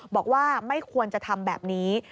บอกว่าไม่ควรจะทำแบบนี้